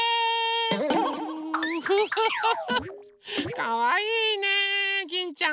かわいいねギンちゃん。